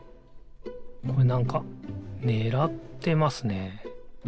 これなんかねらってますね。